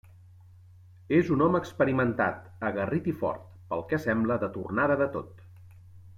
És un home experimentat, aguerrit i fort, pel que sembla de tornada de tot.